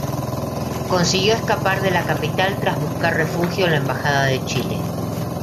Consiguió escapar de la capital tras buscar refugio en la Embajada de Chile.